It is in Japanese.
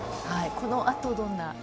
このあと、どんな。